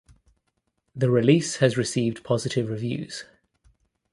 The release has received positive reviews.